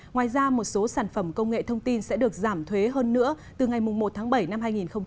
ngoài ra một số sản phẩm công nghệ thông tin sẽ được giảm thuế hơn nữa từ ngày một tháng bảy năm hai nghìn hai mươi